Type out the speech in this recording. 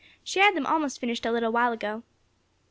"She had them almost finished a little while ago."